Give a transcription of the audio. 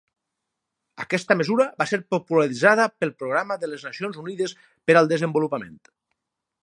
Aquesta mesura va ser popularitzada pel Programa de les Nacions Unides per al Desenvolupament.